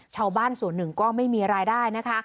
ชาวบ้านส่วนหนึ่งก็ไม่มีรายได้นะคะ